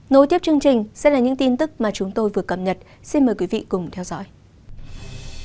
nối tiếp chương trình sẽ là những tin tức mà chúng tôi vừa cập nhật xin mời quý vị cùng theo dõi